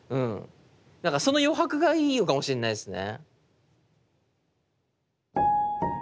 だからその余白がいいのかもしれないですね。